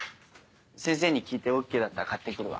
先生に聞いてＯＫだったら買ってくるわ。